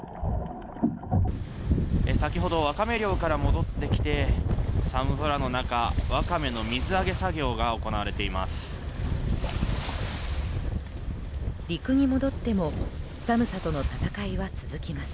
先ほどワカメ漁から戻ってきて寒空の中、ワカメの水揚げ作業が行われています。